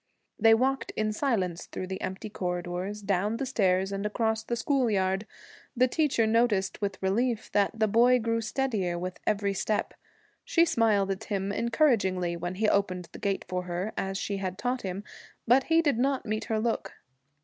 They walked in silence through the empty corridors, down the stairs, and across the school yard. The teacher noticed with relief that the boy grew steadier with every step. She smiled at him encouragingly when he opened the gate for her, as she had taught him, but he did not meet her look.